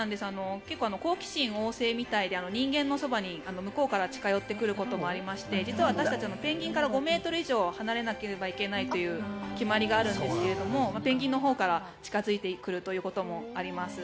結構、好奇心旺盛みたいで人間のそばに向こうから近寄ってくることもありまして実は私たちはペンギンから５ｍ以上離れなければいけないという決まりがあるんですがペンギンのほうから近付いてくるということもあります。